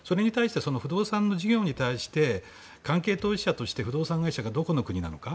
不動産の事業に対して関係当事者として不動産会社がどこの国なのか。